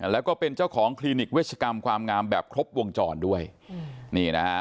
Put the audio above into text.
แล้วก็เป็นเจ้าของคลินิกเวชกรรมความงามแบบครบวงจรด้วยนี่นะฮะ